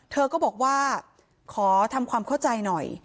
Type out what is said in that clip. เธอก็บอกว่าขอทำความเข้าใจหน่อย